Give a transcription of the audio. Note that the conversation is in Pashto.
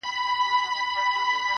راسه دعا وكړو~